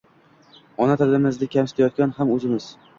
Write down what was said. Ona tilimizni kamsitayotgan ham o‘zimiz